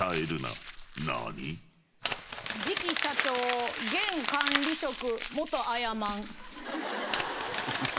次期社長現管理職元あやまん。